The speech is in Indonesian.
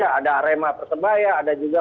ada arema persebaya ada juga